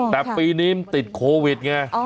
แต่ปีนี้มันติดโควิดไง